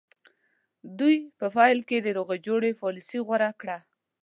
دوی په پیل کې د روغې جوړې پالیسي غوره کړه.